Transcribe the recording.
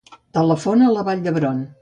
Telefona a Vall d'Hebron.